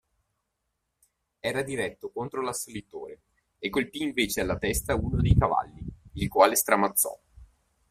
Era diretto contro l'assalitore e colpì invece alla testa uno dei cavalli, il quale stramazzò.